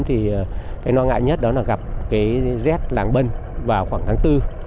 thì cái lo ngại nhất đó là gặp cái rét làng bân vào khoảng tháng bốn